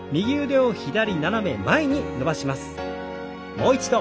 もう一度。